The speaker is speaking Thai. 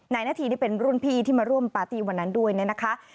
นาธีนี่เป็นรุ่นพี่ที่มาร่วมปาร์ตี้วันนั้นด้วยเนี่ยนะคะ